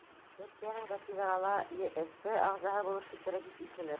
Төркиәнең дә тиҙ арала ЕС ағзаһы булып китере бик икеле.